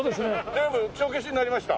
全部帳消しになりました。